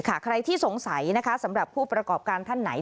ใครที่สงสัยนะคะสำหรับผู้ประกอบการท่านไหน